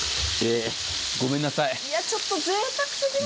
ごめんなさい。